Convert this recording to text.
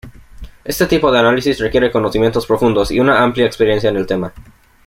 Este tipo de análisis requiere conocimientos profundos y una amplia experiencia en el tema.